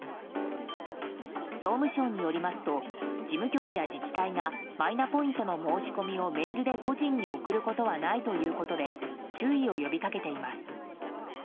総務省によりますと事務局や自治体がマイナポイントの申し込みをメールで個人に送ることはないというので注意を呼びかけています。